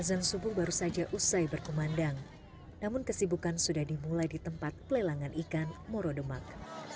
azan subuh baru saja usai berkumandang namun kesibukan sudah dimulai di tempat pelelangan ikan morodemak